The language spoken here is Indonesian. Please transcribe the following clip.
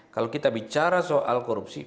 kalau kita bicara soal korupsi